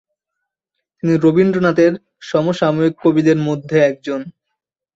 তিনি রবীন্দ্রনাথের সমসাময়িক কবিদের মধ্যে একজন।